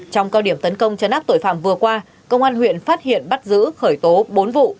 trong cao điểm tấn công chấn áp tội phạm vừa qua công an huyện phát hiện bắt giữ khởi tố bốn vụ